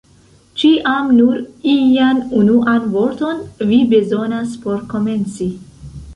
Ĉiam nur ian unuan vorton vi bezonas por komenci!